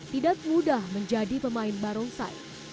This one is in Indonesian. tidak mudah menjadi pemain barongsai